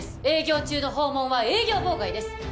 営業中の訪問は営業妨害です